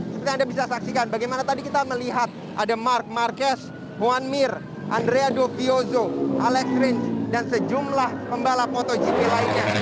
seperti yang anda bisa saksikan bagaimana tadi kita melihat ada mark marquez juan mir andrea doviozo alex rins dan sejumlah pembalap motogp lainnya